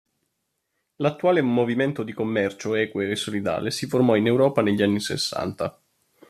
L'attuale movimento di commercio equo e solidale si formò in Europa negli anni sessanta.